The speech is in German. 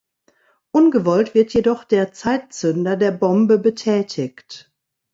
Ungewollt wird jedoch der Zeitzünder der Bombe betätigt.